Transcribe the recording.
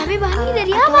tapi bahannya dari apa